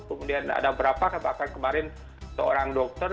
kemudian ada beberapa kemungkinan kemarin seorang dokter